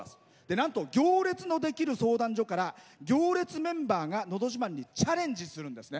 なんと「行列のできる相談所」から「行列」メンバーが「のど自慢」にチャレンジするんですね。